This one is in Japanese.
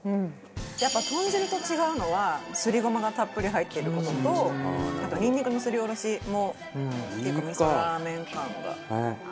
やっぱ豚汁と違うのはすりごまがたっぷり入っている事とニンニクのすりおろしも結構味噌ラーメン感が多いのかな。